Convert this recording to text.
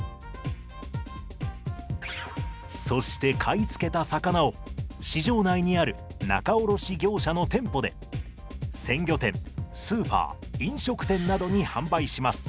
そして買い付けた魚を市場内にある仲卸業者の店舗で鮮魚店スーパー飲食店などに販売します。